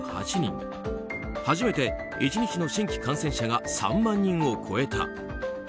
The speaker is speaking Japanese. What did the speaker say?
初めて１日の新規感染者が３万人を超えた。